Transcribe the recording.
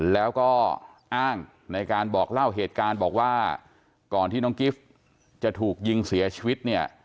แล้วก็อ้างในการเล่าเหตุจำคือว่าก่อนที่นกฟจะถูกยิงเสียชีวิต